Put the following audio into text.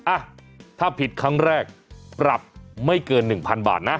อ่ะถ้าผิดครั้งแรกปรับไม่เกิน๑๐๐๐บาทนะ